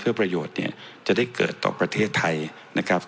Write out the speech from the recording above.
เพื่อประโยชน์เนี่ยจะได้เกิดต่อประเทศไทยนะครับ